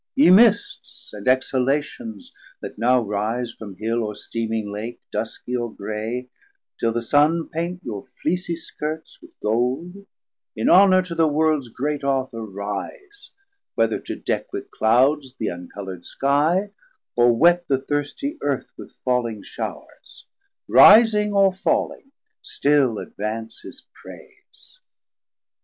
Ye Mists and Exhalations that now rise From Hill or steaming Lake, duskie or grey, Till the Sun paint your fleecie skirts with Gold, In honour to the Worlds great Author rise, Whether to deck with Clouds the uncolourd skie, Or wet the thirstie Earth with falling showers, 190 Rising or falling still advance his praise.